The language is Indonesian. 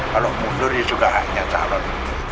kalau mundur ya juga hanya calon